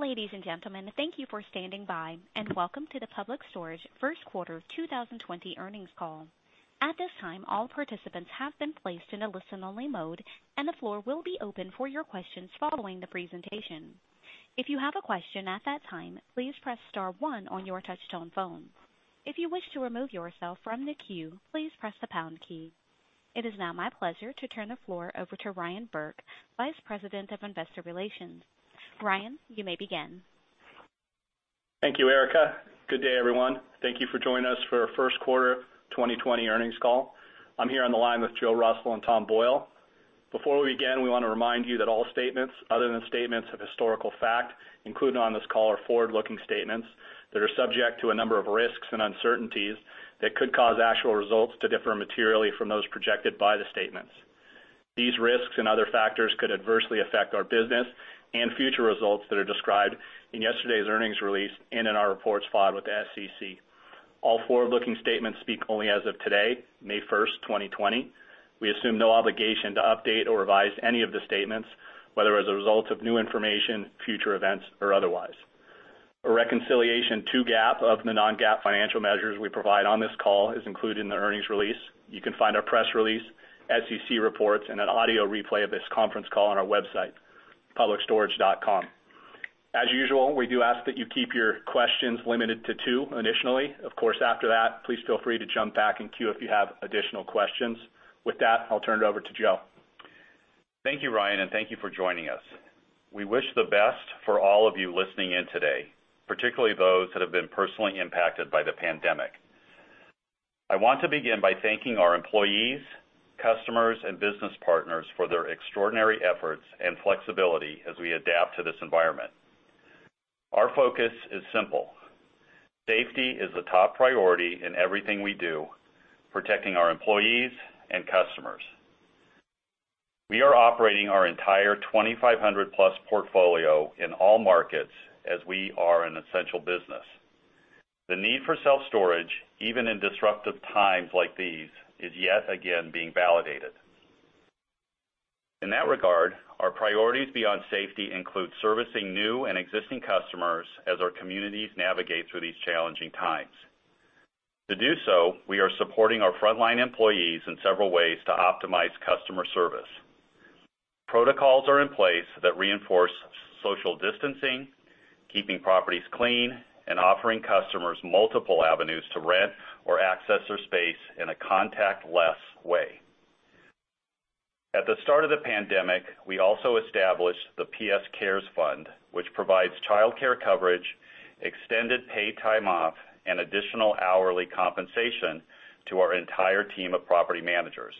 Ladies and gentlemen, thank you for standing by, and welcome to the Public Storage first quarter 2020 earnings call. At this time, all participants have been placed in a listen-only mode, and the floor will be open for your questions following the presentation. If you have a question at that time, please press star one on your touch-tone phone. If you wish to remove yourself from the queue, please press the pound key. It is now my pleasure to turn the floor over to Ryan Burke, Vice President of Investor Relations. Ryan, you may begin. Thank you, Erica. Good day, everyone. Thank you for joining us for our first quarter 2020 earnings call. I'm here on the line with Joe Russell and Tom Boyle. Before we begin, we want to remind you that all statements other than statements of historical fact included on this call are forward-looking statements that are subject to a number of risks and uncertainties that could cause actual results to differ materially from those projected by the statements. These risks and other factors could adversely affect our business and future results that are described in yesterday's earnings release and in our reports filed with the SEC. All forward-looking statements speak only as of today, May 1st, 2020. We assume no obligation to update or revise any of the statements, whether as a result of new information, future events, or otherwise. A reconciliation to GAAP of the non-GAAP financial measures we provide on this call is included in the earnings release. You can find our press release, SEC reports, and an audio replay of this conference call on our website, publicstorage.com. As usual, we do ask that you keep your questions limited to two initially. Of course, after that, please feel free to jump back in queue if you have additional questions. With that, I'll turn it over to Joe. Thank you, Ryan, and thank you for joining us. We wish the best for all of you listening in today, particularly those that have been personally impacted by the pandemic. I want to begin by thanking our employees, customers, and business partners for their extraordinary efforts and flexibility as we adapt to this environment. Our focus is simple. Safety is the top priority in everything we do, protecting our employees and customers. We are operating our entire 2,500-plus portfolio in all markets as we are an essential business. The need for self-storage, even in disruptive times like these, is yet again being validated. In that regard, our priorities beyond safety include servicing new and existing customers as our communities navigate through these challenging times. To do so, we are supporting our frontline employees in several ways to optimize customer service. Protocols are in place that reinforce social distancing, keeping properties clean, and offering customers multiple avenues to rent or access their space in a contactless way. At the start of the pandemic, we also established the PS Cares Fund, which provides childcare coverage, extended paid time off, and additional hourly compensation to our entire team of property managers.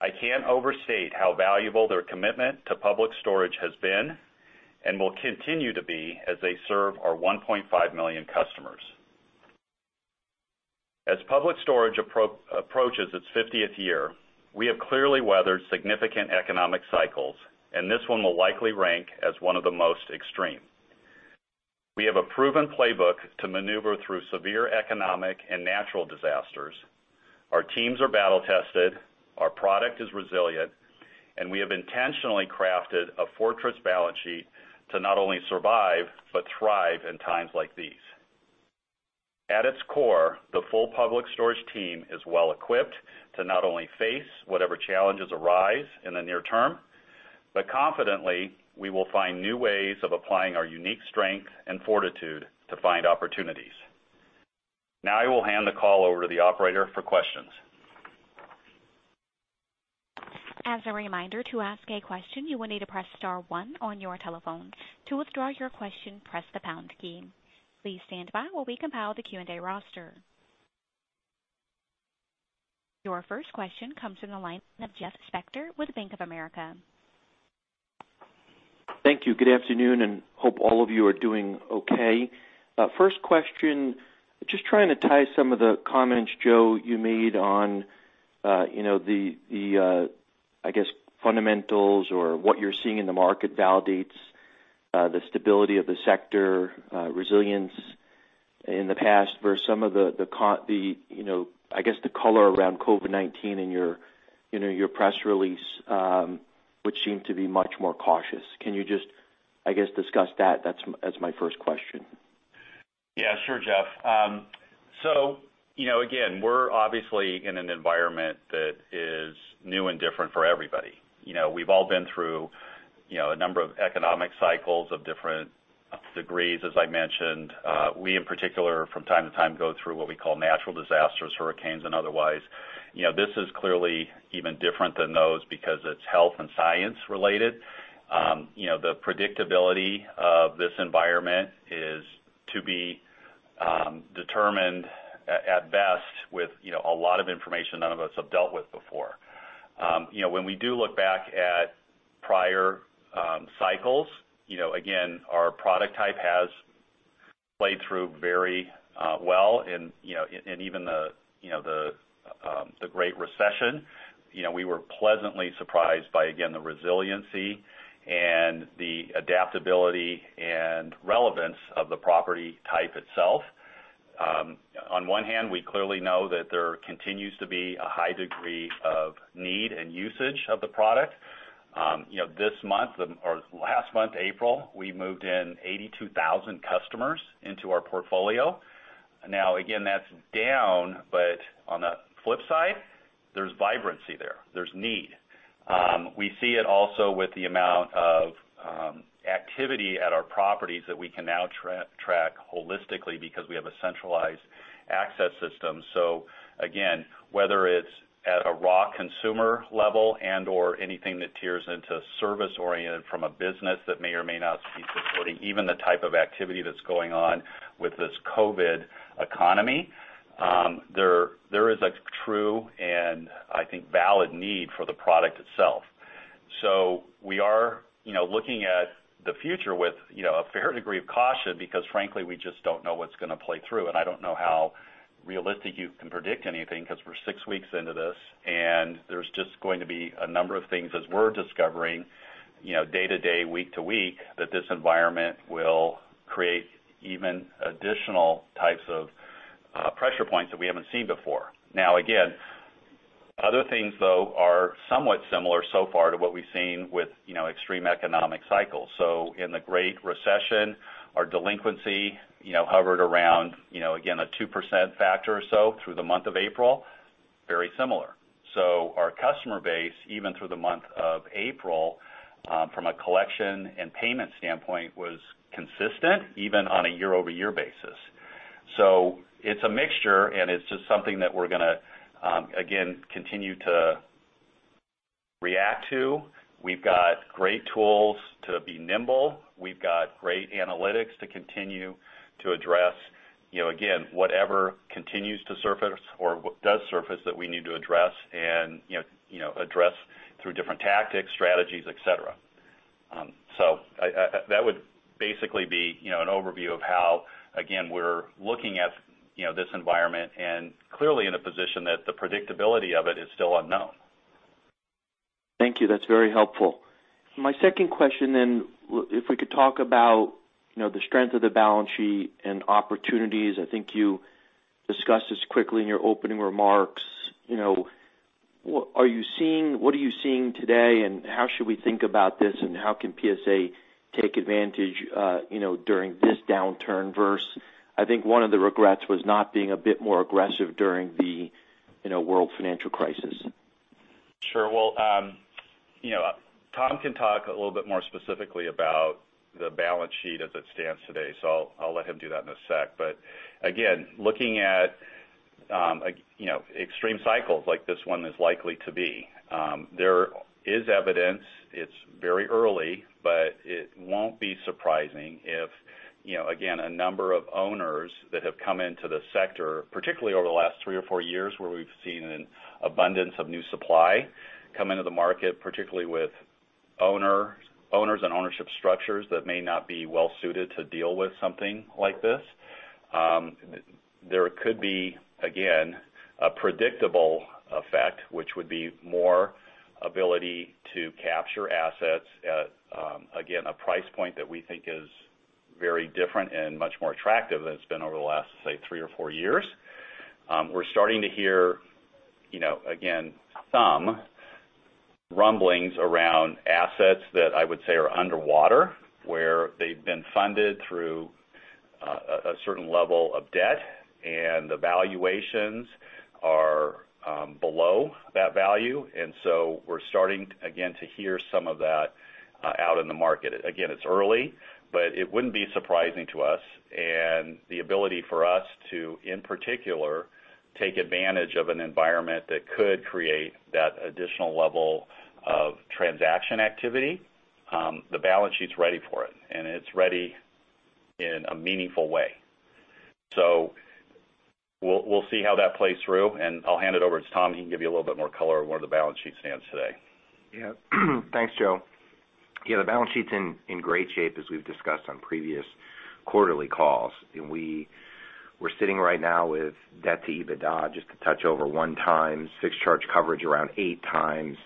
I can't overstate how valuable their commitment to Public Storage has been and will continue to be as they serve our 1.5 million customers. As Public Storage approaches its 50th year, we have clearly weathered significant economic cycles, and this one will likely rank as one of the most extreme. We have a proven playbook to maneuver through severe economic and natural disasters. Our teams are battle-tested, our product is resilient, and we have intentionally crafted a fortress balance sheet to not only survive but thrive in times like these. At its core, the full Public Storage team is well-equipped to not only face whatever challenges arise in the near term, but confidently, we will find new ways of applying our unique strength and fortitude to find opportunities. Now, I will hand the call over to the operator for questions. As a reminder, to ask a question, you will need to press star one on your telephone. To withdraw your question, press the pound key. Please stand by while we compile the Q&A roster. Your first question comes from the line of Jeffrey Spector with Bank of America. Thank you. Good afternoon, hope all of you are doing okay. First question, just trying to tie some of the comments, Joe, you made on the, I guess, fundamentals or what you're seeing in the market validates the stability of the sector, resilience in the past versus some of the, I guess, the color around COVID-19 in your press release, which seemed to be much more cautious. Can you just, I guess, discuss that? That's my first question. Yeah, sure, Jeff. Again, we're obviously in an environment that is new and different for everybody. We've all been through a number of economic cycles of different degrees, as I mentioned. We, in particular, from time to time, go through what we call natural disasters, hurricanes, and otherwise. This is clearly even different than those because it's health and science related. The predictability of this environment is to be determined, at best, with a lot of information none of us have dealt with before. When we do look back at prior cycles, again, our product type has played through very well in even the Great Recession. We were pleasantly surprised by, again, the resiliency and the adaptability and relevance of the property type itself. On one hand, we clearly know that there continues to be a high degree of need and usage of the product. Last month, April, we moved in 82,000 customers into our portfolio. Again, that's down, but on the flip side, there's vibrancy there. There's need. We see it also with the amount of activity at our properties that we can now track holistically because we have a centralized access system. Again, whether it's at a raw consumer level and/or anything that tiers into service-oriented from a business that may or may not be supporting, even the type of activity that's going on with this COVID economy, there is a true, and I think valid need for the product itself. We are looking at the future with a fair degree of caution because frankly, we just don't know what's going to play through, and I don't know how realistic you can predict anything because we're six weeks into this, and there's just going to be a number of things, as we're discovering, day to day, week to week, that this environment will create even additional types of pressure points that we haven't seen before. Now, again, other things, though, are somewhat similar so far to what we've seen with extreme economic cycles. In the Great Recession, our delinquency hovered around, again, a 2% factor or so through the month of April, very similar. Our customer base, even through the month of April, from a collection and payment standpoint, was consistent even on a year-over-year basis. It's a mixture, and it's just something that we're going to, again, continue to react to. We've got great tools to be nimble. We've got great analytics to continue to address, again, whatever continues to surface or does surface that we need to address through different tactics, strategies, et cetera. That would basically be an overview of how, again, we're looking at this environment and clearly in a position that the predictability of it is still unknown. Thank you. That's very helpful. My second question, if we could talk about the strength of the balance sheet and opportunities. I think you discussed this quickly in your opening remarks. What are you seeing today, and how should we think about this, and how can PSA take advantage during this downturn? I think one of the regrets was not being a bit more aggressive during the World Financial Crisis. Sure. Well, Tom can talk a little bit more specifically about the balance sheet as it stands today, so I'll let him do that in a sec. Again, looking at extreme cycles like this one is likely to be, there is evidence, it's very early, but it won't be surprising if, again, a number of owners that have come into the sector, particularly over the last three or four years, where we've seen an abundance of new supply come into the market, particularly with owners and ownership structures that may not be well suited to deal with something like this. There could be, again, a predictable effect, which would be more ability to capture assets at, again, a price point that we think is very different and much more attractive than it's been over the last, say, three or four years. We're starting to hear, again, some rumblings around assets that I would say are underwater, where they've been funded through a certain level of debt, and the valuations are below that value. We're starting, again, to hear some of that out in the market. Again, it's early, but it wouldn't be surprising to us and the ability for us to, in particular, take advantage of an environment that could create that additional level of transaction activity. The balance sheet's ready for it, and it's ready in a meaningful way. We'll see how that plays through, and I'll hand it over to Tom, and he can give you a little bit more color on where the balance sheet stands today. Yeah. Thanks, Joe. Yeah, the balance sheet's in great shape as we've discussed on previous quarterly calls. We're sitting right now with debt-to-EBITDA, just to touch over one times, fixed charge coverage around eight times,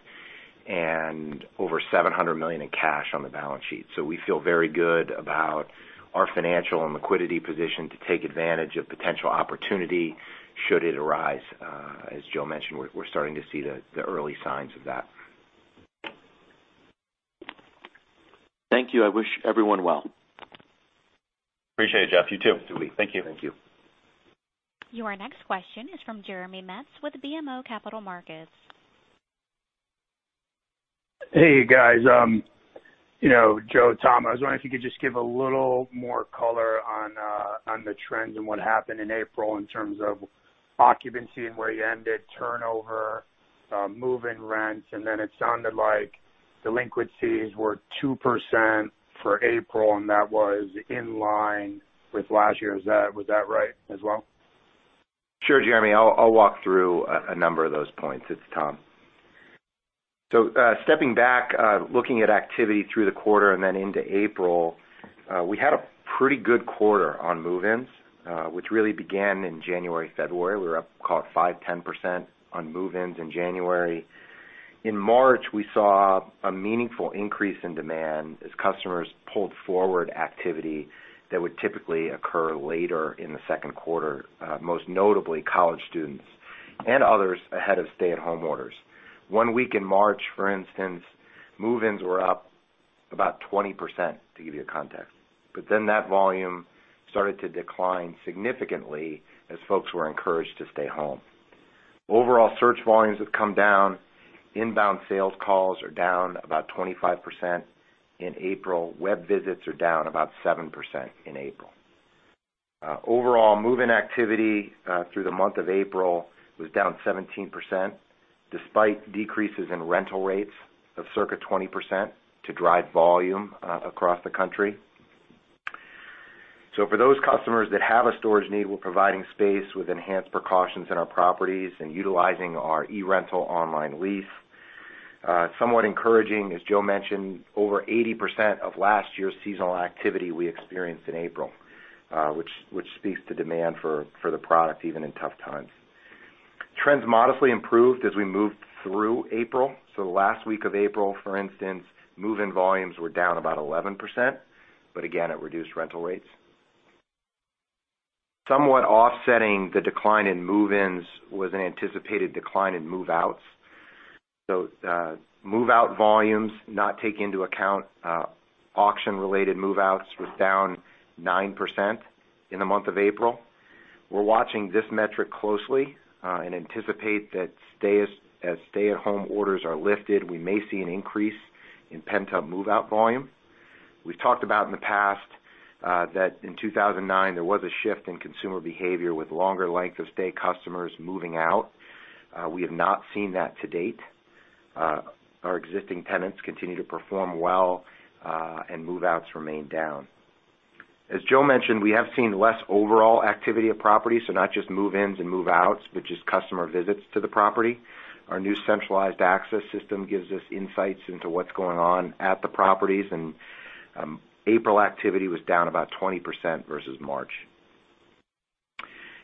and over $700 million in cash on the balance sheet. We feel very good about our financial and liquidity position to take advantage of potential opportunity should it arise. As Joe mentioned, we're starting to see the early signs of that. Thank you. I wish everyone well. Appreciate it, Jeff. You too. You too. Thank you. Thank you. Your next question is from Jeremy Metz with BMO Capital Markets. Hey, guys. Joe, Tom, I was wondering if you could just give a little more color on the trends and what happened in April in terms of occupancy and where you ended turnover, move-in rents, and then it sounded like delinquencies were 2% for April, and that was in line with last year. Was that right as well? Sure, Jeremy. I'll walk through a number of those points. It's Tom. Stepping back, looking at activity through the quarter and then into April, we had a pretty good quarter on move-ins, which really began in January, February. We were up, call it 5%, 10% on move-ins in January. In March, we saw a meaningful increase in demand as customers pulled forward activity that would typically occur later in the second quarter, most notably college students and others ahead of stay-at-home orders. One week in March, for instance, move-ins were up about 20%, to give you a context. That volume started to decline significantly as folks were encouraged to stay home. Overall search volumes have come down. Inbound sales calls are down about 25% in April. Web visits are down about 7% in April. Overall move-in activity through the month of April was down 17%, despite decreases in rental rates of circa 20% to drive volume across the country. For those customers that have a storage need, we're providing space with enhanced precautions in our properties and utilizing our eRental online lease. Somewhat encouraging, as Joe mentioned, over 80% of last year's seasonal activity we experienced in April, which speaks to demand for the product even in tough times. Trends modestly improved as we moved through April. The last week of April, for instance, move-in volumes were down about 11%, but again, at reduced rental rates. Somewhat offsetting the decline in move-ins was an anticipated decline in move-outs. Move-out volumes, not taking into account auction-related move-outs, was down 9% in the month of April. We're watching this metric closely and anticipate that as stay-at-home orders are lifted, we may see an increase in pent-up move-out volume. We've talked about in the past that in 2009, there was a shift in consumer behavior with longer length of stay customers moving out. We have not seen that to date. Our existing tenants continue to perform well, and move-outs remain down. As Joe mentioned, we have seen less overall activity of properties, so not just move-ins and move-outs, but just customer visits to the property. Our new centralized access system gives us insights into what's going on at the properties, and April activity was down about 20% versus March.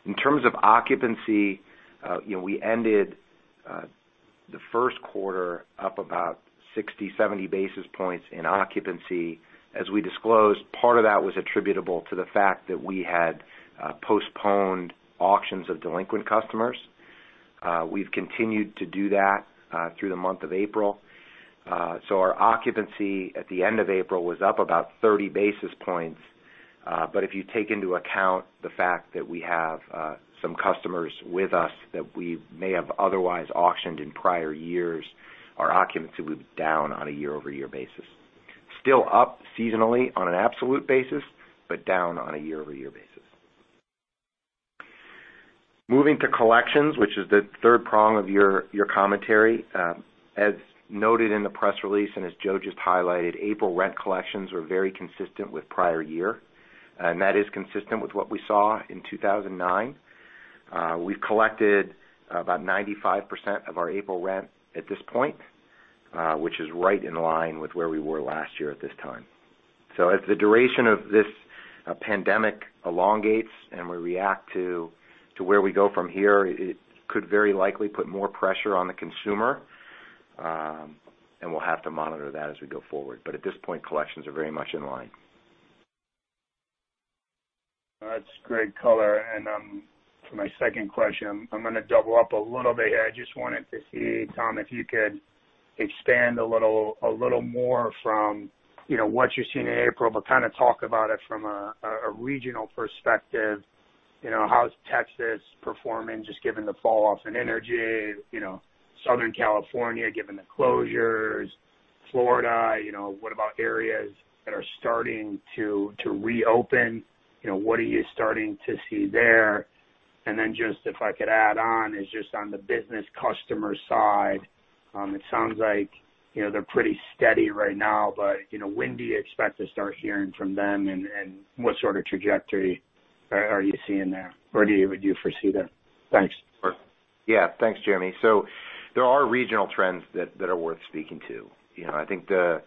In terms of occupancy, we ended the first quarter up about 60, 70 basis points in occupancy. As we disclosed, part of that was attributable to the fact that we had postponed auctions of delinquent customers. We've continued to do that through the month of April. Our occupancy at the end of April was up about 30 basis points. If you take into account the fact that we have some customers with us that we may have otherwise auctioned in prior years, our occupancy was down on a year-over-year basis. Still up seasonally on an absolute basis, but down on a year-over-year basis. Moving to collections, which is the third prong of your commentary. As noted in the press release and as Joe just highlighted, April rent collections were very consistent with prior year, and that is consistent with what we saw in 2009. We've collected about 95% of our April rent at this point, which is right in line with where we were last year at this time. As the duration of this pandemic elongates and we react to where we go from here, it could very likely put more pressure on the consumer, and we'll have to monitor that as we go forward. At this point, collections are very much in line. That's great color. For my second question, I'm going to double up a little bit here. I just wanted to see, Tom, if you could expand a little more from what you're seeing in April, but kind of talk about it from a regional perspective. How's Texas performing, just given the fall-off in energy? Southern California, given the closures, Florida, what about areas that are starting to reopen? What are you starting to see there? Then just if I could add on, is just on the business customer side, it sounds like they're pretty steady right now, but when do you expect to start hearing from them, and what sort of trajectory are you seeing there, or would you foresee there? Thanks. Yeah. Thanks, Jeremy. There are regional trends that are worth speaking to. I think the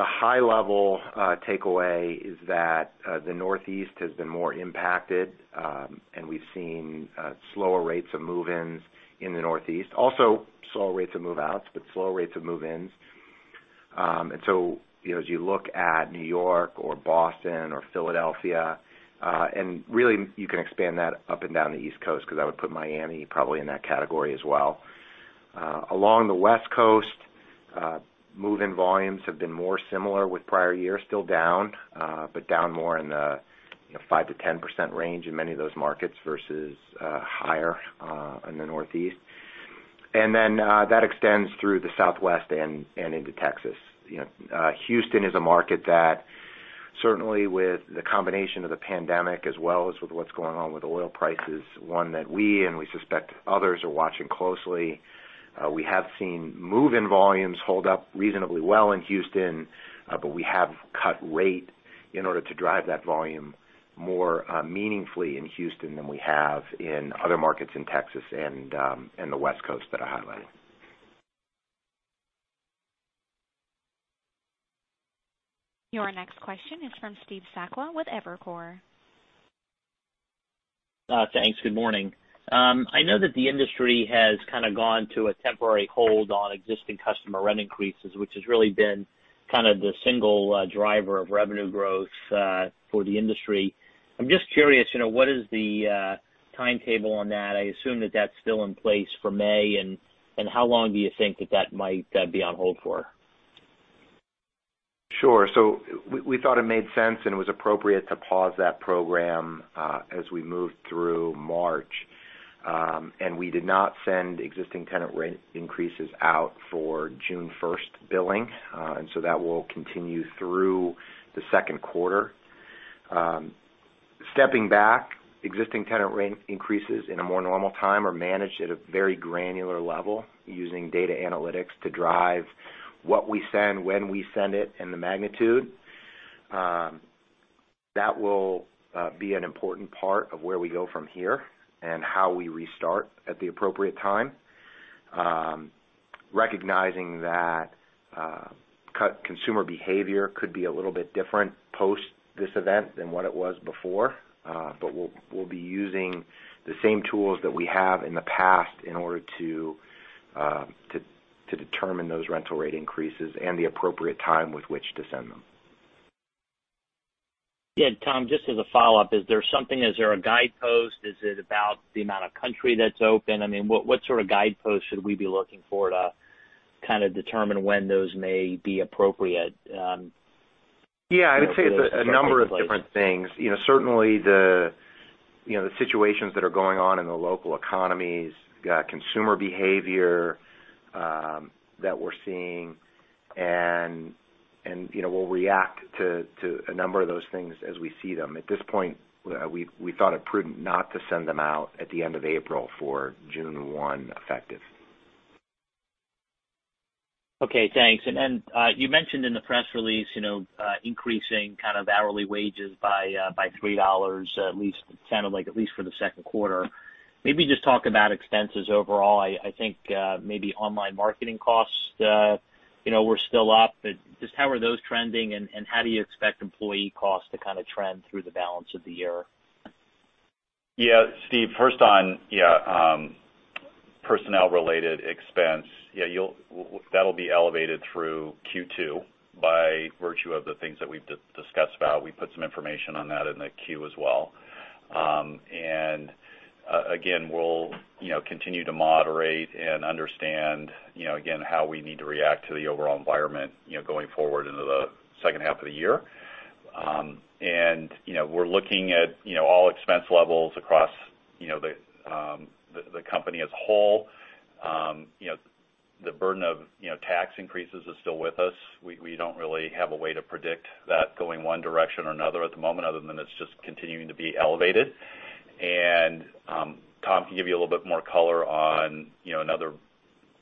high-level takeaway is that the Northeast has been more impacted, and we've seen slower rates of move-ins in the Northeast. Also slower rates of move-outs, but slower rates of move-ins. As you look at New York or Boston or Philadelphia, and really you can expand that up and down the East Coast, because I would put Miami probably in that category as well. Along the West Coast, move-in volumes have been more similar with prior years, still down, but down more in the 5%-10% range in many of those markets versus higher in the Northeast. That extends through the Southwest and into Texas. Houston is a market that certainly with the combination of the pandemic as well as with what's going on with oil prices, one that we and we suspect others are watching closely. We have seen move-in volumes hold up reasonably well in Houston, but we have cut rate in order to drive that volume more meaningfully in Houston than we have in other markets in Texas and the West Coast that I highlighted. Your next question is from Steve Sakwa with Evercore. Thanks. Good morning. I know that the industry has kind of gone to a temporary hold on existing customer rent increases, which has really been kind of the single driver of revenue growth for the industry. I'm just curious, what is the timetable on that? I assume that that's still in place for May, and how long do you think that that might be on hold for? Sure. We thought it made sense, and it was appropriate to pause that program as we moved through March. We did not send existing tenant rent increases out for June 1st billing. That will continue through the second quarter. Stepping back, existing tenant rent increases in a more normal time are managed at a very granular level using data analytics to drive what we send, when we send it, and the magnitude. That will be an important part of where we go from here and how we restart at the appropriate time, recognizing that consumer behavior could be a little bit different post this event than what it was before. We'll be using the same tools that we have in the past in order to determine those rental rate increases and the appropriate time with which to send them. Yeah. Tom, just as a follow-up, is there something, is there a guidepost? Is it about the amount of country that's open? I mean, what sort of guidepost should we be looking for to kind of determine when those may be appropriate? Yeah, I would say it's a number of different things. Certainly the situations that are going on in the local economies, consumer behavior that we're seeing, and we'll react to a number of those things as we see them. At this point, we thought it prudent not to send them out at the end of April for June one effective. Okay, thanks. You mentioned in the press release increasing kind of hourly wages by $3, at least it sounded like at least for the second quarter. Maybe just talk about expenses overall. I think maybe online marketing costs were still up. Just how are those trending, and how do you expect employee costs to kind of trend through the balance of the year? Yeah. Steve, first on personnel-related expense. That'll be elevated through Q2 by virtue of the things that we've discussed about. We put some information on that in the Q as well. Again, we'll continue to moderate and understand again, how we need to react to the overall environment going forward into the second half of the year. We're looking at all expense levels across the company as a whole. The burden of tax increases is still with us. We don't really have a way to predict that going one direction or another at the moment, other than it's just continuing to be elevated. Tom can give you a little bit more color on another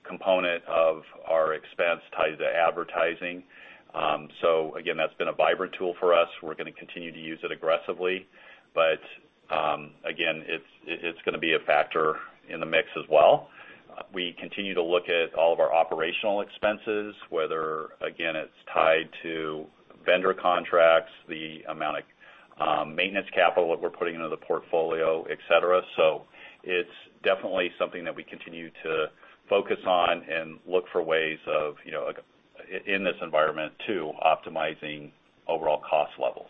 component of our expense tied to advertising. Again, that's been a vibrant tool for us. We're going to continue to use it aggressively, but again, it's going to be a factor in the mix as well. We continue to look at all of our operational expenses, whether, again, it's tied to vendor contracts, the amount of maintenance capital that we're putting into the portfolio, et cetera. It's definitely something that we continue to focus on and look for ways of in this environment too, optimizing overall cost levels.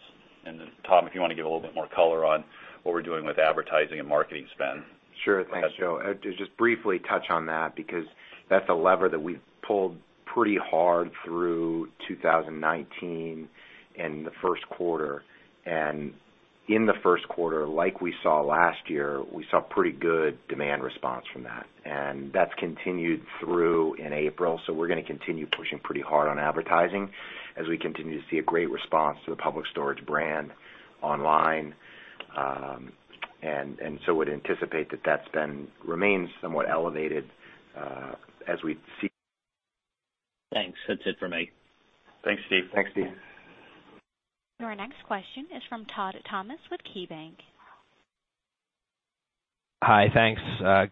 Tom, if you want to give a little bit more color on what we're doing with advertising and marketing spend. Sure thing, Joe. To just briefly touch on that, because that's a lever that we've pulled pretty hard through 2019 and the first quarter. In the first quarter, like we saw last year, we saw pretty good demand response from that, and that's continued through in April. We're going to continue pushing pretty hard on advertising as we continue to see a great response to the Public Storage brand online. Would anticipate that spend remains somewhat elevated as we see. Thanks. That's it for me. Thanks, Steve. Thanks, Steve. Your next question is from Todd Thomas with KeyBank. Hi, thanks.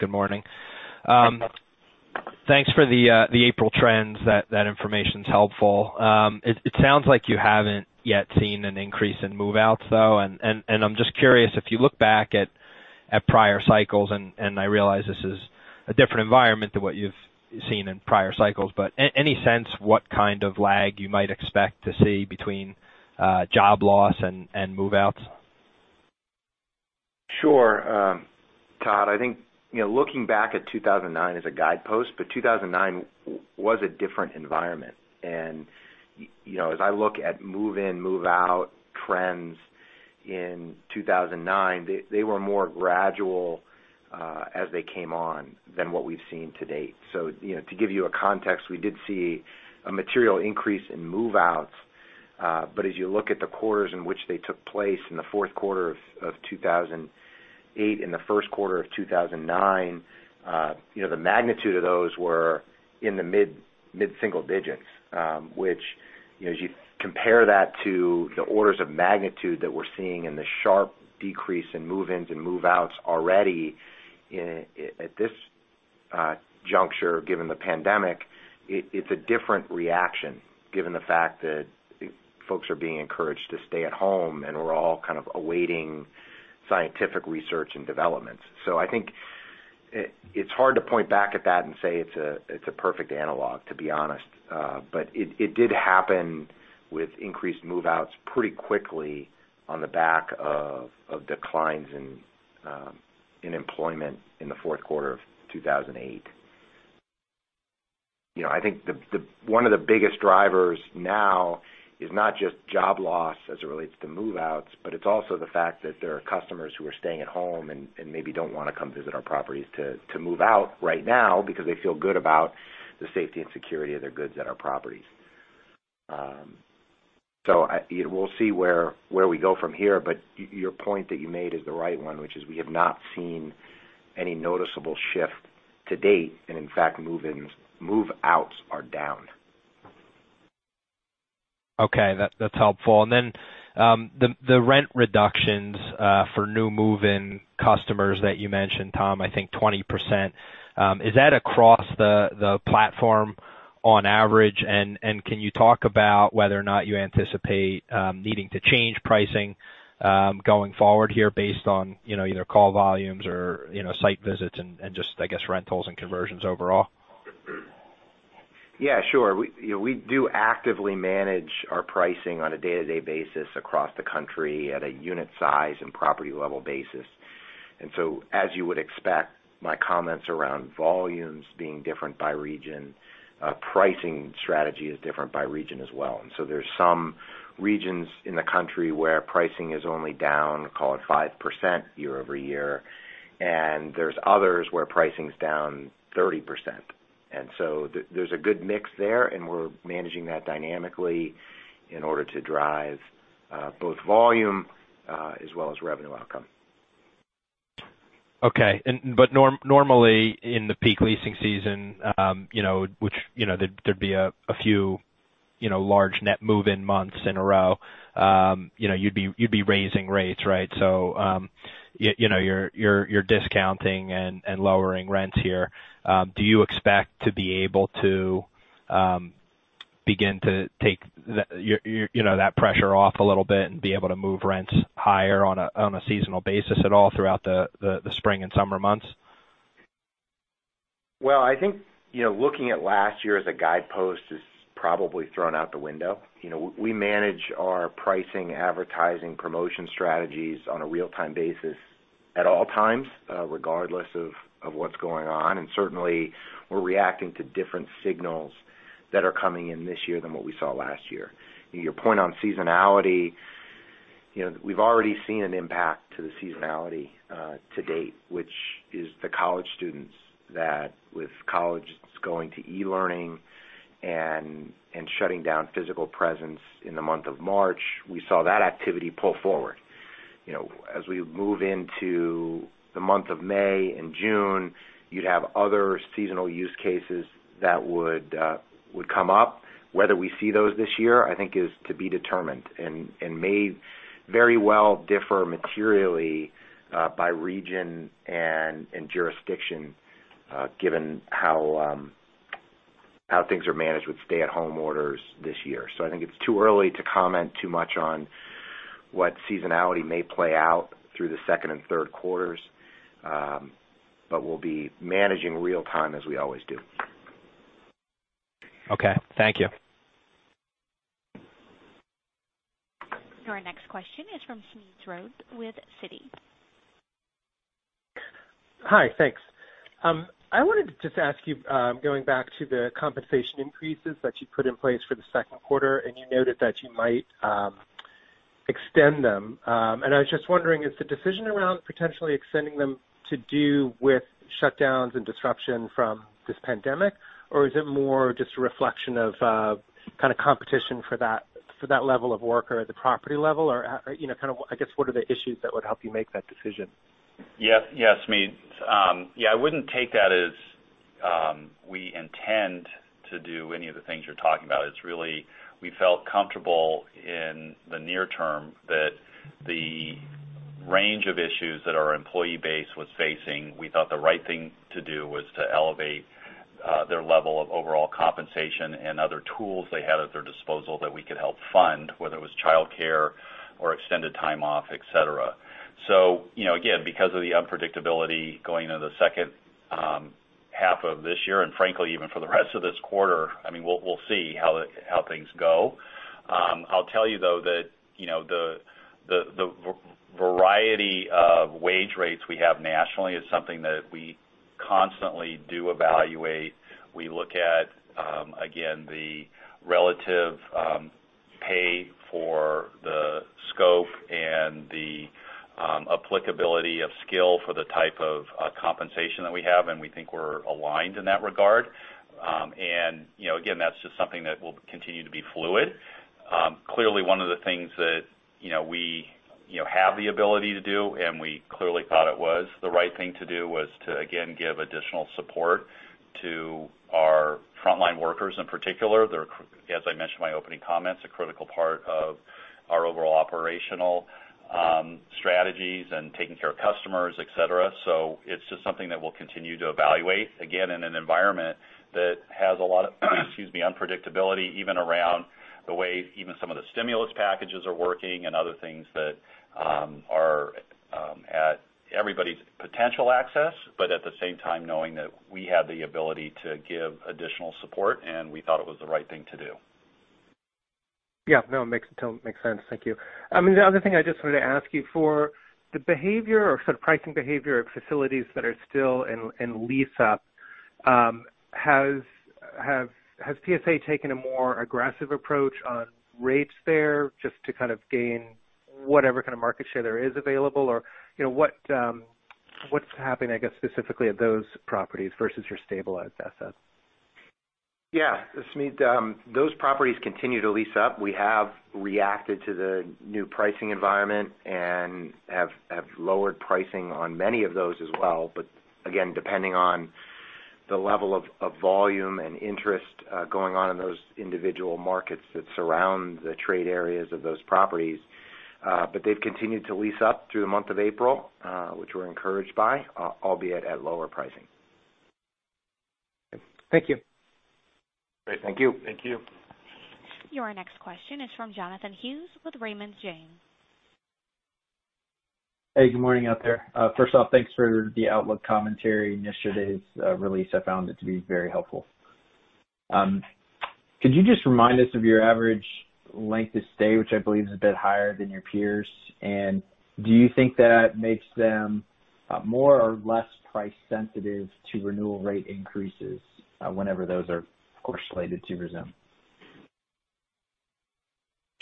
Good morning. Hi, Todd. Thanks for the April trends. That information's helpful. It sounds like you haven't yet seen an increase in move-outs, though. I'm just curious if you look back at prior cycles, and I realize this is a different environment than what you've seen in prior cycles. Any sense what kind of lag you might expect to see between job loss and move-outs? Sure. Todd, I think looking back at 2009 as a guidepost, but 2009 was a different environment, and as I look at move-in, move-out trends in 2009, they were more gradual as they came on than what we've seen to date. To give you a context, we did see a material increase in move-outs. As you look at the quarters in which they took place, in the fourth quarter of 2008, in the first quarter of 2009, the magnitude of those were in the mid-single digits. Which as you compare that to the orders of magnitude that we're seeing and the sharp decrease in move-ins and move-outs already at this. juncture, given the pandemic, it's a different reaction, given the fact that folks are being encouraged to stay at home, and we're all kind of awaiting scientific research and developments. I think it's hard to point back at that and say it's a perfect analog, to be honest. It did happen with increased move-outs pretty quickly on the back of declines in employment in the fourth quarter of 2008. I think one of the biggest drivers now is not just job loss as it relates to move-outs, but it's also the fact that there are customers who are staying at home and maybe don't want to come visit our properties to move out right now because they feel good about the safety and security of their goods at our properties. We'll see where we go from here, but your point that you made is the right one, which is we have not seen any noticeable shift to date, and in fact, move-outs are down. Okay. That's helpful. The rent reductions for new move-in customers that you mentioned, Tom, I think 20%. Is that across the platform on average, and can you talk about whether or not you anticipate needing to change pricing going forward here based on either call volumes or site visits and just, I guess, rentals and conversions overall? Yeah, sure. We do actively manage our pricing on a day-to-day basis across the country at a unit size and property level basis. As you would expect, my comments around volumes being different by region, pricing strategy is different by region as well. There's some regions in the country where pricing is only down, call it 5% year-over-year, and there's others where pricing's down 30%. There's a good mix there, and we're managing that dynamically in order to drive both volume as well as revenue outcome. Okay. Normally in the peak leasing season, which there'd be a few large net move-in months in a row, you'd be raising rates, right? You're discounting and lowering rents here. Do you expect to be able to begin to take that pressure off a little bit and be able to move rents higher on a seasonal basis at all throughout the spring and summer months? I think, looking at last year as a guidepost is probably thrown out the window. We manage our pricing, advertising, promotion strategies on a real-time basis at all times, regardless of what's going on, and certainly we're reacting to different signals that are coming in this year than what we saw last year. Your point on seasonality, we've already seen an impact to the seasonality to date, which is the college students, that with colleges going to e-learning and shutting down physical presence in the month of March, we saw that activity pull forward. We move into the month of May and June, you'd have other seasonal use cases that would come up. Whether we see those this year, I think is to be determined and may very well differ materially by region and jurisdiction, given how things are managed with stay-at-home orders this year. I think it's too early to comment too much on what seasonality may play out through the second and third quarters, but we'll be managing real time as we always do. Okay. Thank you. Your next question is from Smedes Rose with Citi. Hi. Thanks. I wanted to just ask you, going back to the compensation increases that you put in place for the second quarter, and you noted that you might extend them. I was just wondering, is the decision around potentially extending them to do with shutdowns and disruption from this pandemic, or is it more just a reflection of kind of competition for that level of work or at the property level, or I guess what are the issues that would help you make that decision? Yeah. Smedes, I wouldn't take that as we intend to do any of the things you're talking about. It's really, we felt comfortable in the near term that the range of issues that our employee base was facing, we thought the right thing to do was to elevate their level of overall compensation and other tools they had at their disposal that we could help fund, whether it was childcare or extended time off, et cetera. Again, because of the unpredictability going into the second half of this year, and frankly, even for the rest of this quarter, we'll see how things go. I'll tell you, though, that the variety of wage rates we have nationally is something that we constantly do evaluate. We look at, again, the relative pay for the scope and the applicability of skill for the type of compensation that we have, and we think we're aligned in that regard. Again, that's just something that will continue to be fluid. Clearly, one of the things that we have the ability to do, and we clearly thought it was the right thing to do, was to, again, give additional support. To our frontline workers in particular, as I mentioned in my opening comments, a critical part of our overall operational strategies and taking care of customers, et cetera. It's just something that we'll continue to evaluate, again, in an environment that has a lot of excuse me, unpredictability even around the way even some of the stimulus packages are working and other things that are at everybody's potential access, but at the same time, knowing that we have the ability to give additional support, and we thought it was the right thing to do. Yeah. No, makes sense. Thank you. The other thing I just wanted to ask you for the behavior or sort of pricing behavior of facilities that are still in lease-up, has PSA taken a more aggressive approach on rates there just to kind of gain whatever kind of market share there is available? Or what's happening, I guess, specifically at those properties versus your stabilized assets? Yeah. Smedes, those properties continue to lease up. We have reacted to the new pricing environment and have lowered pricing on many of those as well, again, depending on the level of volume and interest going on in those individual markets that surround the trade areas of those properties. They've continued to lease up through the month of April, which we're encouraged by, albeit at lower pricing. Thank you. Great. Thank you. Thank you. Your next question is from Jonathan Hughes with Raymond James. Hey, good morning out there. First off, thanks for the outlook commentary in yesterday's release. I found it to be very helpful. Could you just remind us of your average length of stay, which I believe is a bit higher than your peers? Do you think that makes them more or less price sensitive to renewal rate increases whenever those are of course, slated to resume?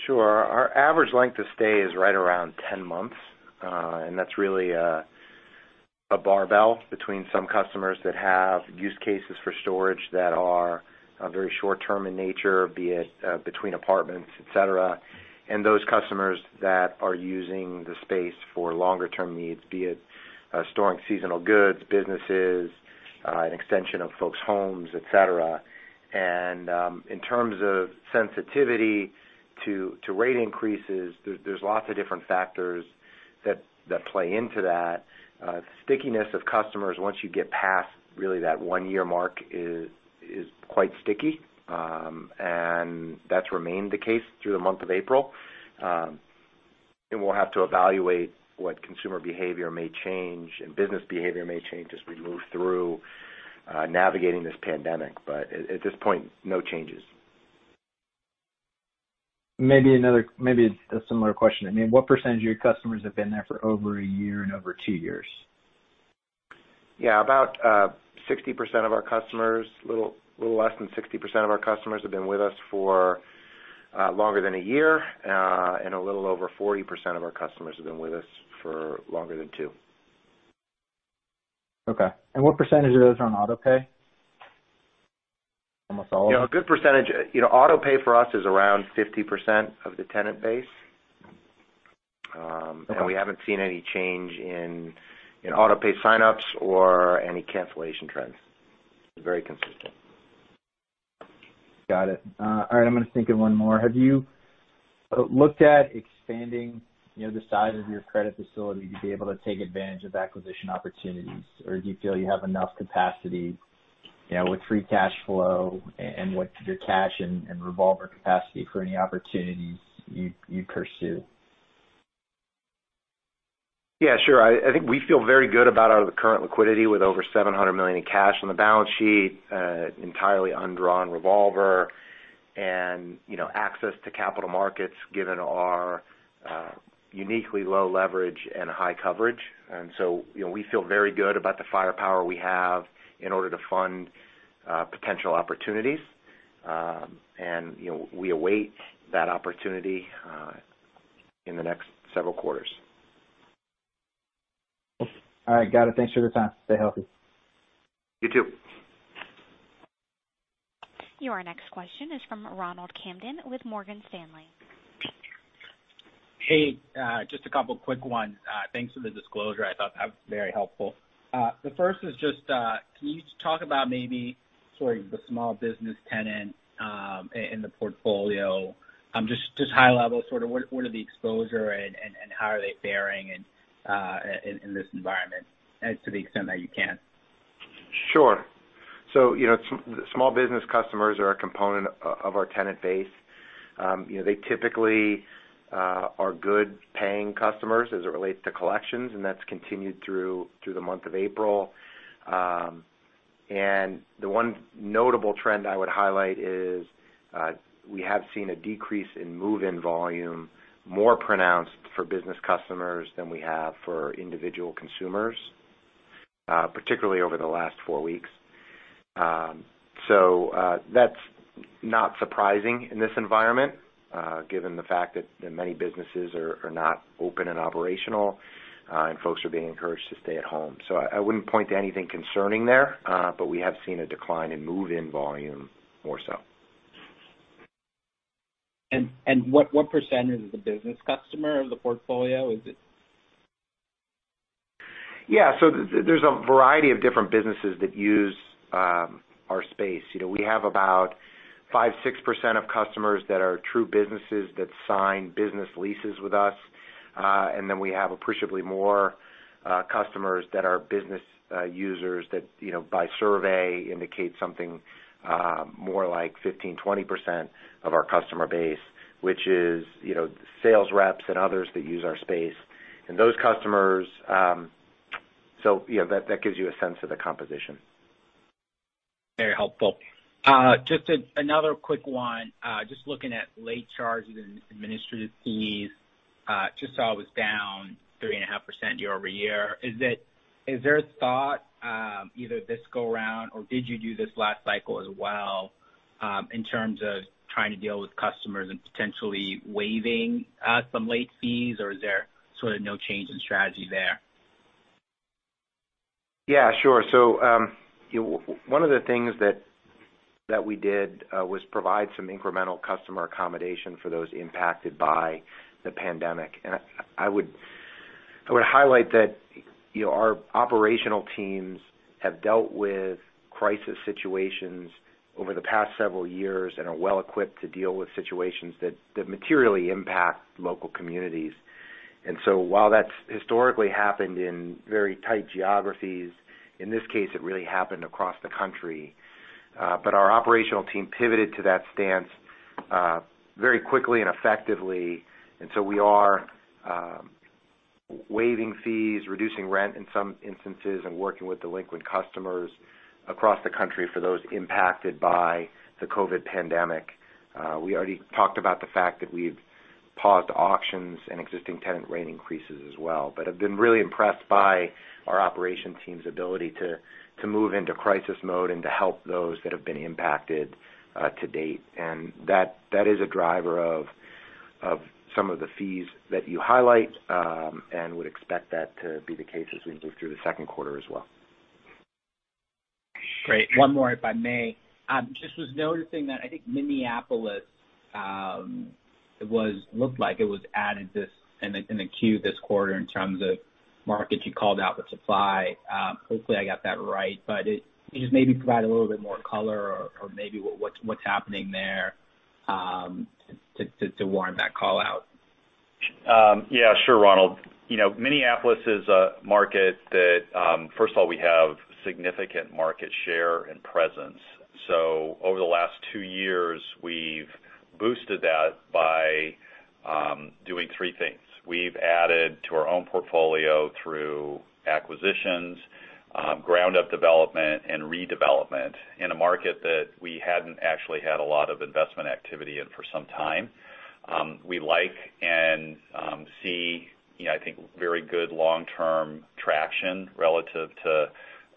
Sure. Our average length of stay is right around 10 months. That's really a barbell between some customers that have use cases for storage that are very short-term in nature, be it between apartments, et cetera, and those customers that are using the space for longer-term needs, be it storing seasonal goods, businesses, an extension of folks' homes, et cetera. In terms of sensitivity to rate increases, there's lots of different factors that play into that. Stickiness of customers once you get past really that one-year mark is quite sticky. That's remained the case through the month of April. We'll have to evaluate what consumer behavior may change and business behavior may change as we move through navigating this pandemic. At this point, no changes. Maybe a similar question. What percentage of your customers have been there for over a year and over two years? Yeah. About 60% of our customers, a little less than 60% of our customers have been with us for longer than a year. A little over 40% of our customers have been with us for longer than two. Okay. What % of those are on autopay? Almost all of them? A good percentage. Autopay for us is around 50% of the tenant base. Okay. We haven't seen any change in autopay sign-ups or any cancellation trends. Very consistent. Got it. All right, I'm gonna think of one more. Have you looked at expanding the size of your credit facility to be able to take advantage of acquisition opportunities? Or do you feel you have enough capacity, with free cash flow and with your cash and revolver capacity for any opportunities you pursue? Yeah, sure. I think we feel very good about our current liquidity with over $700 million in cash on the balance sheet, entirely undrawn revolver, and access to capital markets given our uniquely low leverage and high coverage. We feel very good about the firepower we have in order to fund potential opportunities. We await that opportunity in the next several quarters. All right. Got it. Thanks for your time. Stay healthy. You too. Your next question is from Ronald Kamdem with Morgan Stanley. Hey. Just a couple quick ones. Thanks for the disclosure. I thought that was very helpful. The first is just, can you just talk about maybe sort of the small business tenant in the portfolio, just high level sort of what are the exposure and how are they faring in this environment, to the extent that you can? Sure. Small business customers are a component of our tenant base. They typically are good-paying customers as it relates to collections, and that's continued through the month of April. The one notable trend I would highlight is, we have seen a decrease in move-in volume, more pronounced for business customers than we have for individual consumers, particularly over the last four weeks. That's not surprising in this environment, given the fact that many businesses are not open and operational, and folks are being encouraged to stay at home. I wouldn't point to anything concerning there. We have seen a decline in move-in volume more so. What percentage is the business customer of the portfolio? Yeah. There's a variety of different businesses that use our space. We have about 5%, 6% of customers that are true businesses that sign business leases with us. We have appreciably more customers that are business users that, by survey, indicate something more like 15%, 20% of our customer base, which is sales reps and others that use our space. That gives you a sense of the composition. Very helpful. Just another quick one. Just looking at late charges and administrative fees, just saw it was down 3.5% year-over-year. Is there a thought either this go around, or did you do this last cycle as well, in terms of trying to deal with customers and potentially waiving some late fees, or is there sort of no change in strategy there? Yeah, sure. One of the things that we did was provide some incremental customer accommodation for those impacted by the pandemic. I would highlight that our operational teams have dealt with crisis situations over the past several years and are well-equipped to deal with situations that materially impact local communities. While that's historically happened in very tight geographies, in this case, it really happened across the country. Our operational team pivoted to that stance very quickly and effectively. We are waiving fees, reducing rent in some instances, and working with delinquent customers across the country for those impacted by the COVID-19 pandemic. We already talked about the fact that we've paused auctions and existing tenant rent increases as well. I've been really impressed by our operations team's ability to move into crisis mode and to help those that have been impacted to date. That is a driver of some of the fees that you highlight, and would expect that to be the case as we move through the second quarter as well. Great. One more, if I may. Just was noticing that I think Minneapolis, it looked like it was added in the queue this quarter in terms of markets you called out with supply. Hopefully, I got that right. Can you just maybe provide a little bit more color or maybe what's happening there to warrant that call-out? Yeah, sure, Ronald. Minneapolis is a market that, first of all, we have significant market share and presence. Over the last two years, we've boosted that by doing three things. We've added to our own portfolio through acquisitions, ground-up development, and redevelopment in a market that we hadn't actually had a lot of investment activity in for some time. We like and see, I think, very good long-term traction relative to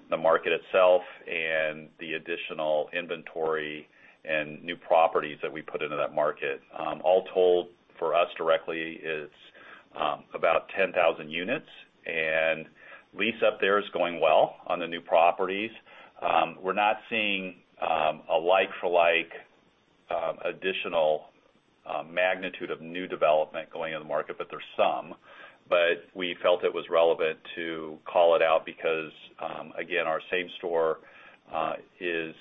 the market itself and the additional inventory and new properties that we put into that market. All told, for us directly, it's about 10,000 units, and lease-up there is going well on the new properties. We're not seeing a like-for-like additional magnitude of new development going in the market, but there's some. We felt it was relevant to call it out because, again, our same store is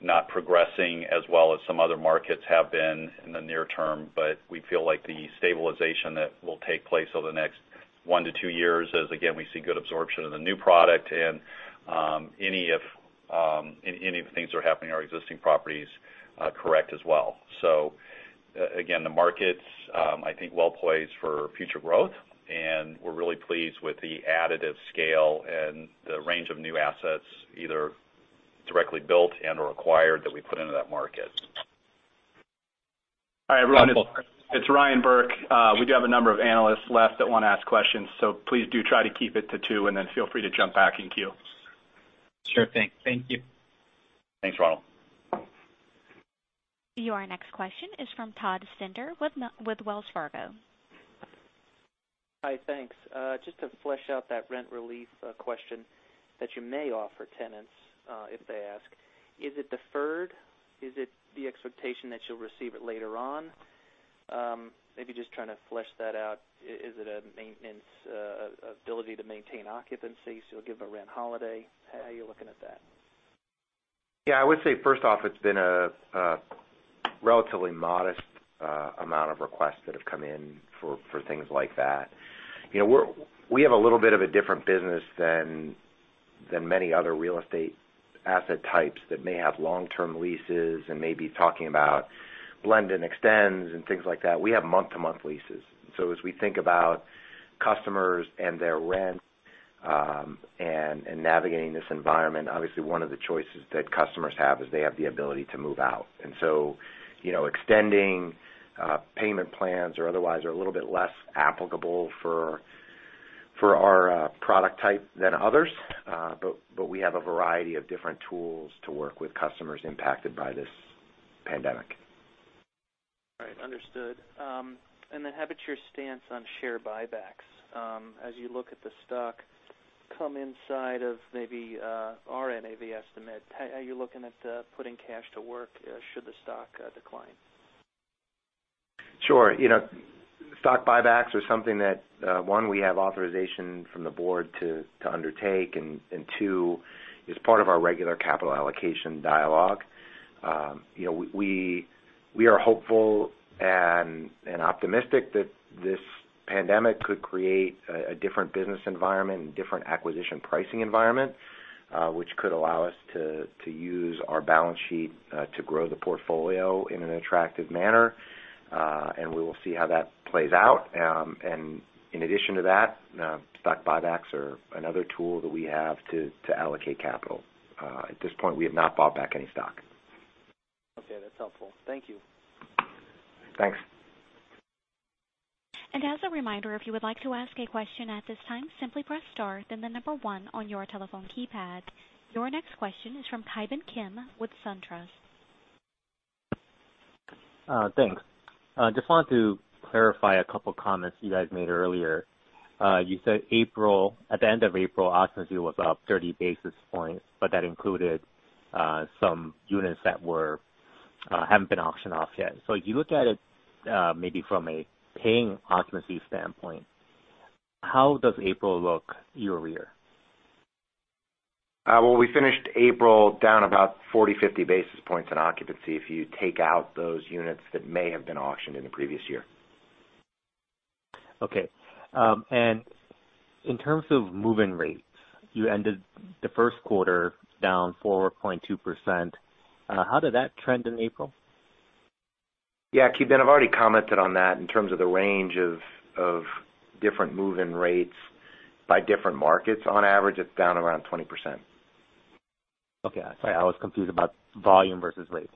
not progressing as well as some other markets have been in the near term. We feel like the stabilization that will take place over the next one to two years as, again, we see good absorption of the new product and any of the things that are happening in our existing properties correct as well. Again, the market's, I think, well-placed for future growth, and we're really pleased with the additive scale and the range of new assets, either directly built and/or acquired that we put into that market. All right, Ronald. Thanks. It's Ryan Burke. We do have a number of analysts left that want to ask questions, so please do try to keep it to two, and then feel free to jump back in queue. Sure thing. Thank you. Thanks, Ronald. Your next question is from Todd Stender with Wells Fargo. Hi, thanks. Just to flesh out that rent relief question that you may offer tenants if they ask, is it deferred? Is it the expectation that you'll receive it later on? Maybe just trying to flesh that out. Is it an ability to maintain occupancy, so you'll give a rent holiday? How are you looking at that? Yeah, I would say first off, it's been a relatively modest amount of requests that have come in for things like that. We have a little bit of a different business than many other real estate asset types that may have long-term leases and may be talking about blend-and-extends and things like that. We have month-to-month leases. As we think about customers and their rent, and navigating this environment, obviously one of the choices that customers have is they have the ability to move out. Extending payment plans or otherwise are a little bit less applicable for our product type than others. We have a variety of different tools to work with customers impacted by this pandemic. All right. Understood. Then how about your stance on share buybacks as you look at the stock? come inside of maybe our NAV estimate. How are you looking at putting cash to work should the stock decline? Sure. Stock buybacks are something that, one, we have authorization from the board to undertake, and two, is part of our regular capital allocation dialogue. We are hopeful and optimistic that this pandemic could create a different business environment and different acquisition pricing environment, which could allow us to use our balance sheet to grow the portfolio in an attractive manner. We will see how that plays out. In addition to that, stock buybacks are another tool that we have to allocate capital. At this point, we have not bought back any stock. Okay, that's helpful. Thank you. Thanks. As a reminder, if you would like to ask a question at this time, simply press star, then the number 1 on your telephone keypad. Your next question is from Ki Bin Kim with SunTrust. Thanks. Just wanted to clarify a couple of comments you guys made earlier. You said at the end of April, occupancy was up 30 basis points, that included some units that haven't been auctioned off yet. If you look at it maybe from a paying occupancy standpoint, how does April look year-over-year? Well, we finished April down about 40, 50 basis points in occupancy if you take out those units that may have been auctioned in the previous year. Okay. In terms of move-in rates, you ended the first quarter down 4.2%. How did that trend in April? Yeah, Ki Bin, I've already commented on that in terms of the range of different move-in rates by different markets. On average, it's down around 20%. Okay. Sorry, I was confused about volume versus rate.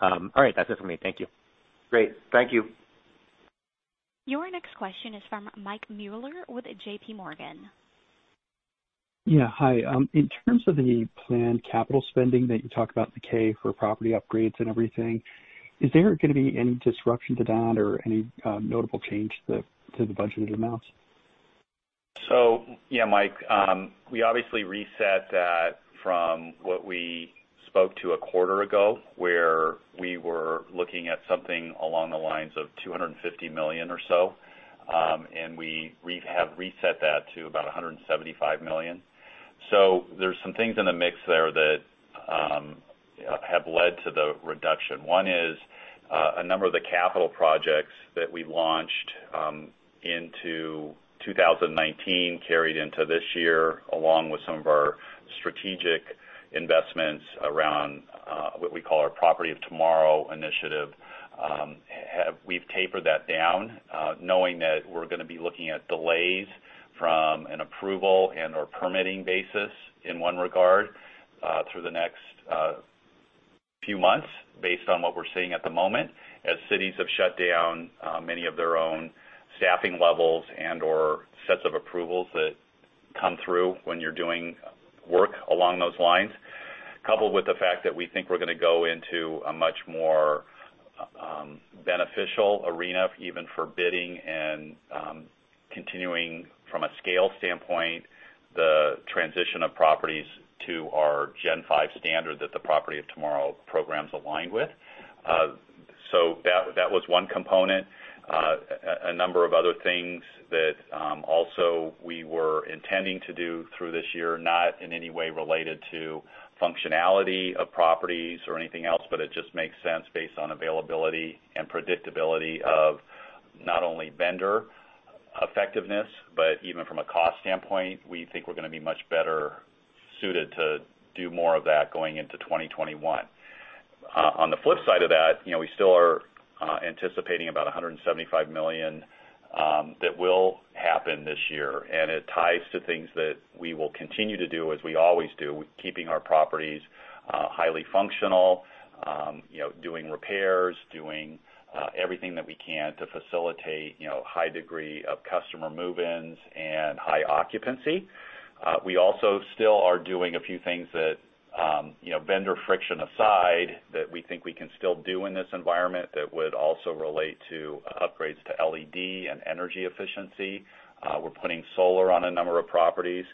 All right, that's it for me. Thank you. Great. Thank you. Your next question is from Michael Mueller with JPMorgan. Yeah, hi. In terms of the planned capital spending that you talk about in the K for property upgrades and everything, is there going to be any disruption to that or any notable change to the budgeted amounts? Yeah, Mike, we obviously reset that from what we spoke to a quarter ago, where we were looking at something along the lines of $250 million or so, and we have reset that to about $175 million. There's some things in the mix there that have led to the reduction. One is a number of the capital projects that we launched into 2019 carried into this year, along with some of our strategic investments around what we call our Property of Tomorrow initiative. We've tapered that down, knowing that we're going to be looking at delays from an approval and/or permitting basis in one regard through the next few months based on what we're seeing at the moment, as cities have shut down many of their own staffing levels and/or sets of approvals that come through when you're doing work along those lines. Coupled with the fact that we think we're going to go into a much more beneficial arena, even for bidding and continuing from a scale standpoint, the transition of properties to our Gen5 standard that the Property of Tomorrow program's aligned with. That was one component. A number of other things that also we were intending to do through this year, not in any way related to functionality of properties or anything else, but it just makes sense based on availability and predictability of not only vendor effectiveness, but even from a cost standpoint, we think we're going to be much better suited to do more of that going into 2021. On the flip side of that, we still are anticipating about $175 million that will happen this year, and it ties to things that we will continue to do as we always do, keeping our properties highly functional, doing repairs, doing everything that we can to facilitate high degree of customer move-ins and high occupancy. We also still are doing a few things that, vendor friction aside, that we think we can still do in this environment that would also relate to upgrades to LED and energy efficiency. We're putting solar on a number of properties.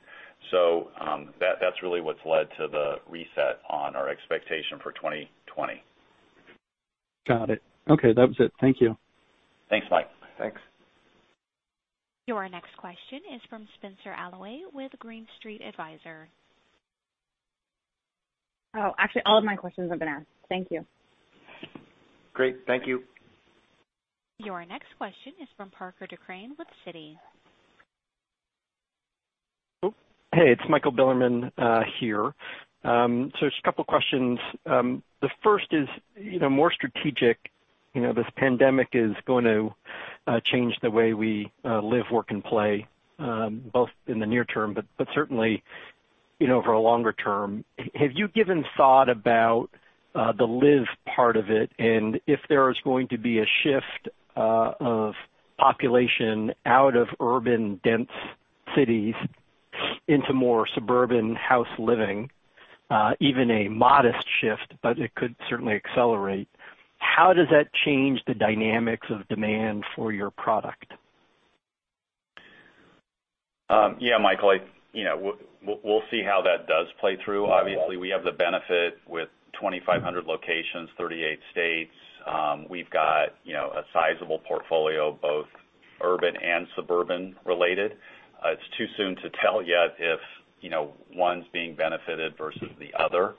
That's really what's led to the reset on our expectation for 2020. Got it. Okay. That was it. Thank you. Thanks, Mike. Thanks. Your next question is from Spenser Allaway with Green Street Advisors. Oh, actually, all of my questions have been asked. Thank you. Great. Thank you. Your next question is from Parker DeGryse with Citi. Oh, hey. It's Michael Bilerman here. Just a couple of questions. The first is more strategic. This pandemic is going to change the way we live, work, and play, both in the near term, but certainly for a longer term. Have you given thought about the live part of it, and if there is going to be a shift of population out of urban dense cities into more suburban house living? Even a modest shift, but it could certainly accelerate. How does that change the dynamics of demand for your product? Yeah, Michael, we'll see how that does play through. Obviously, we have the benefit with 2,500 locations, 38 states. We've got a sizable portfolio, both urban and suburban related. It's too soon to tell yet if one's being benefited versus the other.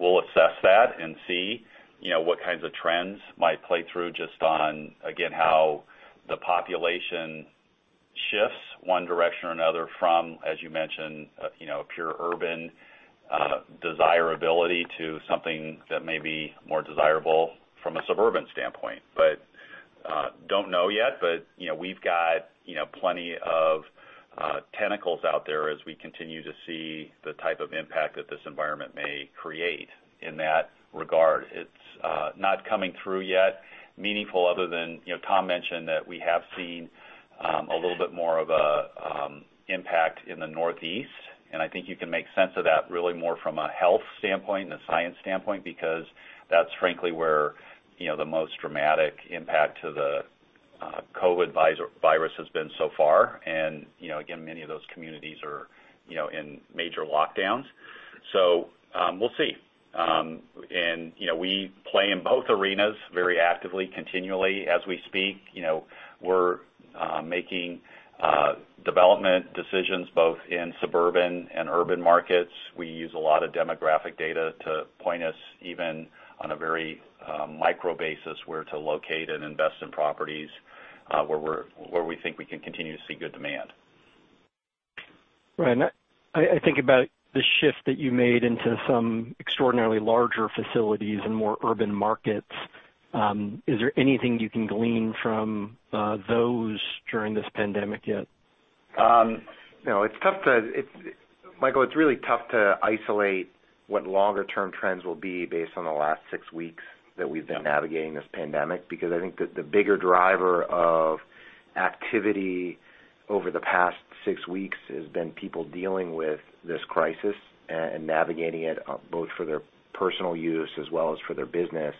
We'll assess that and see what kinds of trends might play through just on, again, how the population shifts one direction or another from, as you mentioned, a pure urban desirability to something that may be more desirable from a suburban standpoint. Don't know yet, but we've got plenty of tentacles out there as we continue to see the type of impact that this environment may create in that regard. It's not coming through yet meaningful other than, Tom mentioned that we have seen a little bit more of a impact in the Northeast. I think you can make sense of that really more from a health standpoint and a science standpoint, because that's frankly where the most dramatic impact to the COVID virus has been so far. Again, many of those communities are in major lockdowns. We'll see. We play in both arenas very actively, continually as we speak. We're making development decisions both in suburban and urban markets. We use a lot of demographic data to point us even on a very micro basis, where to locate and invest in properties where we think we can continue to see good demand. Right. I think about the shift that you made into some extraordinarily larger facilities and more urban markets. Is there anything you can glean from those during this pandemic yet? No. Michael, it's really tough to isolate what longer term trends will be based on the last six weeks that we've been navigating this pandemic, because I think the bigger driver of activity over the past six weeks has been people dealing with this crisis and navigating it both for their personal use as well as for their business.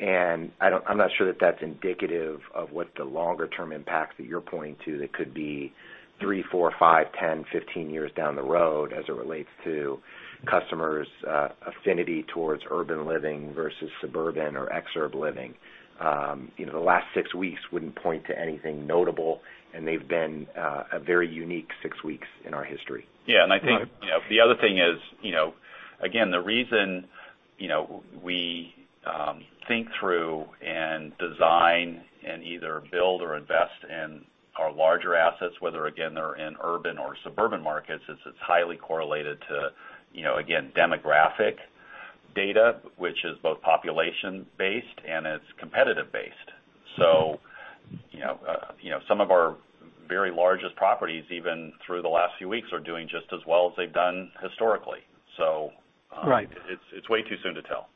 I'm not sure that's indicative of what the longer-term impacts that you're pointing to that could be three, four, five, 10, 15 years down the road as it relates to customers' affinity towards urban living versus suburban or exurb living. The last six weeks wouldn't point to anything notable, and they've been a very unique six weeks in our history. Yeah. I think the other thing is, again, the reason we think through and design and either build or invest in our larger assets, whether, again, they're in urban or suburban markets, is it's highly correlated to, again, demographic data, which is both population based and it's competitive based. Some of our very largest properties, even through the last few weeks, are doing just as well as they've done historically. Right It's way too soon to tell.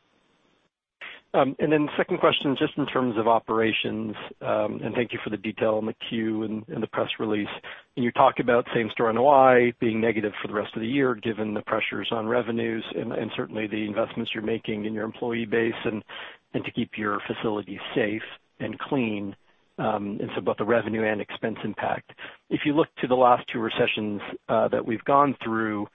Second question, just in terms of operations, thank you for the detail in the Q and the press release. When you talk about same-store NOI being negative for the rest of the year, given the pressures on revenues and certainly the investments you're making in your employee base and to keep your facilities safe and clean, both the revenue and expense impact. If you look to the last two recessions that we've gone through,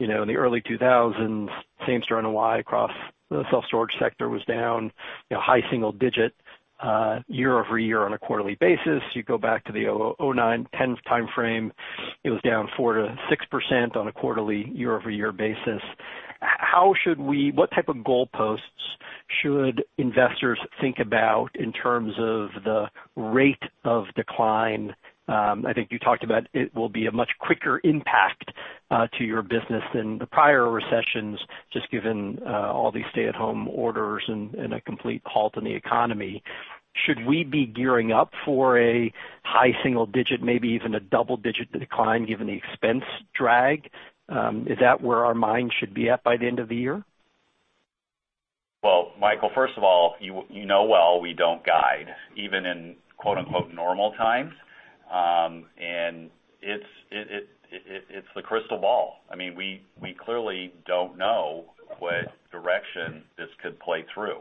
in the early 2000s, same-store NOI across the self-storage sector was down high single digit year-over-year on a quarterly basis. You go back to the '09, '10 timeframe, it was down 4%-6% on a quarterly year-over-year basis. What type of goalposts should investors think about in terms of the rate of decline? I think you talked about it will be a much quicker impact to your business than the prior recessions, just given all these stay-at-home orders and a complete halt in the economy. Should we be gearing up for a high single digit, maybe even a double-digit decline given the expense drag? Is that where our minds should be at by the end of the year? Well, Michael, first of all, you know well we don't guide even in quote, unquote, "normal times." It's the crystal ball. We clearly don't know what direction this could play through.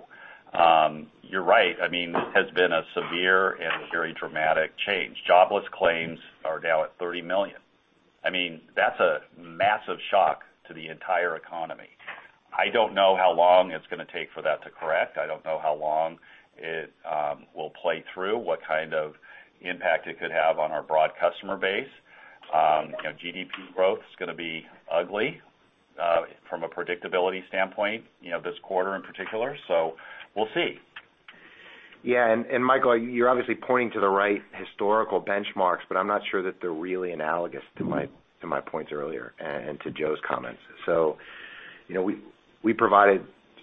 You're right. It has been a severe and very dramatic change. Jobless claims are now at 30 million. That's a massive shock to the entire economy. I don't know how long it's going to take for that to correct. I don't know how long it will play through, what kind of impact it could have on our broad customer base. GDP growth's going to be ugly from a predictability standpoint, this quarter in particular. We'll see. Yeah. Michael, you're obviously pointing to the right historical benchmarks, but I'm not sure that they're really analogous to my points earlier and to Joe's comments. We provided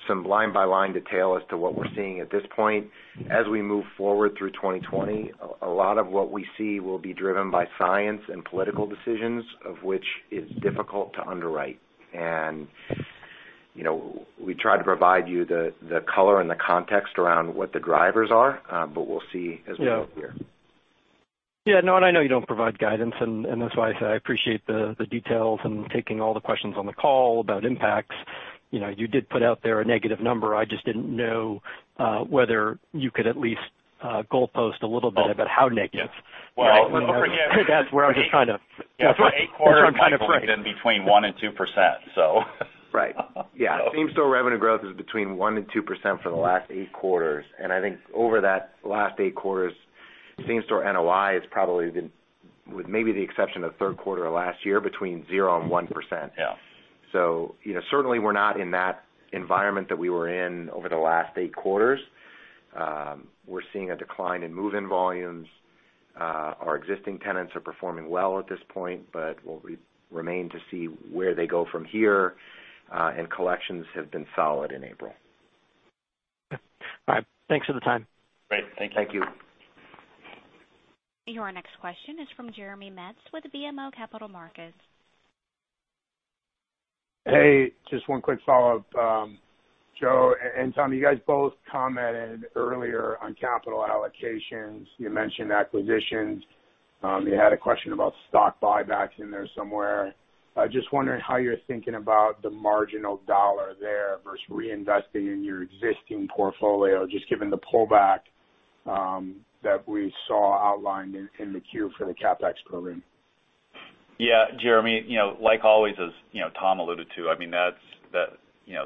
some line-by-line detail as to what we're seeing at this point. As we move forward through 2020, a lot of what we see will be driven by science and political decisions, of which it's difficult to underwrite. We try to provide you the color and the context around what the drivers are, but we'll see as we go here. Yeah. No, and I know you don't provide guidance, and that's why I said I appreciate the details and taking all the questions on the call about impacts. You did put out there a negative number. I just didn't know whether you could at least goalpost a little bit. Oh about how negative. Yes. Well. That's where I was just trying to- For eight quarters, it's been between 1% and 2%. Right. Yeah. Same-store revenue growth is between 1% and 2% for the last eight quarters, and I think over that last eight quarters, same-store NOI has probably been, with maybe the exception of third quarter of last year, between zero and 1%. Yeah. Certainly, we're not in that environment that we were in over the last 8 quarters. We're seeing a decline in move-in volumes. Our existing tenants are performing well at this point, well, we remain to see where they go from here. Collections have been solid in April. Okay. All right. Thanks for the time. Great. Thanks. Thank you. Your next question is from Jeremy Metz with BMO Capital Markets. Hey, just one quick follow-up. Joe and Tom, you guys both commented earlier on capital allocations. You mentioned acquisitions. You had a question about stock buybacks in there somewhere. I'm just wondering how you're thinking about the marginal dollar there versus reinvesting in your existing portfolio, just given the pullback that we saw outlined in the Q for the CapEx program. Yeah. Jeremy, like always, as Tom alluded to,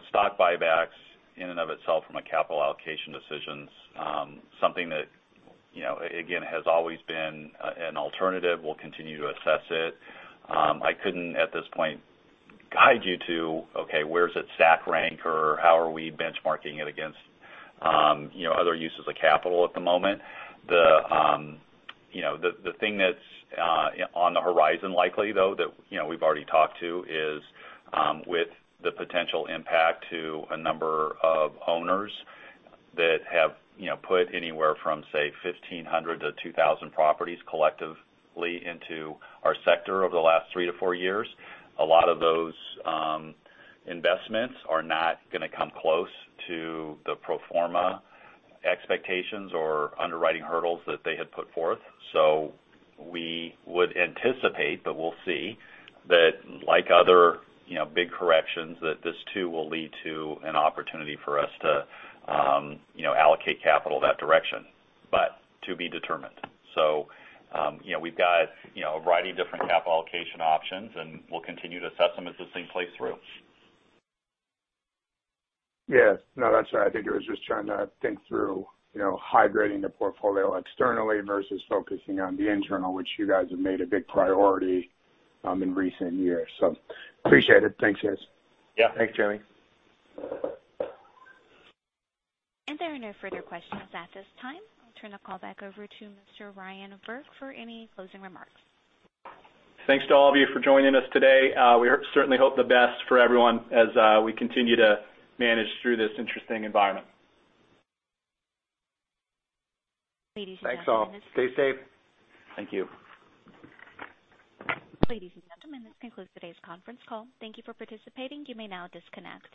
stock buybacks in and of itself from a capital allocation decisions, something that, again, has always been an alternative. We'll continue to assess it. I couldn't, at this point, guide you to, okay, where's it stack rank or how are we benchmarking it against other uses of capital at the moment. The thing that's on the horizon likely, though, that we've already talked to, is with the potential impact to a number of owners that have put anywhere from, say, 1,500 to 2,000 properties collectively into our sector over the last three to four years. A lot of those investments are not going to come close to the pro forma expectations or underwriting hurdles that they had put forth. We would anticipate, but we'll see that like other big corrections, that this too will lead to an opportunity for us to allocate capital that direction, but to be determined. We've got a variety of different capital allocation options, and we'll continue to assess them as this thing plays through. Yeah. No, that's all right. I think it was just trying to think through hydrating the portfolio externally versus focusing on the internal, which you guys have made a big priority in recent years. Appreciate it. Thanks, guys. Yeah. Thanks, Jeremy. There are no further questions at this time. I'll turn the call back over to Mr. Ryan Burke for any closing remarks. Thanks to all of you for joining us today. We certainly hope the best for everyone as we continue to manage through this interesting environment. Ladies and gentlemen. Thanks, all. Stay safe. Thank you. Ladies and gentlemen, this concludes today's conference call. Thank you for participating. You may now disconnect.